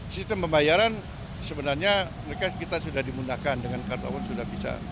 sistem pembayaran sebenarnya mereka kita sudah dimundahkan dengan kartu awal sudah bisa